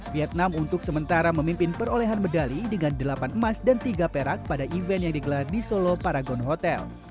vietnam untuk sementara memimpin perolehan medali dengan delapan emas dan tiga perak pada event yang digelar di solo paragon hotel